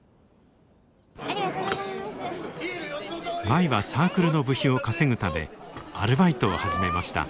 舞はサークルの部費を稼ぐためアルバイトを始めました。